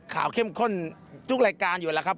ข่าวเข้มข้นทุกรายการอยู่นั้นละครับ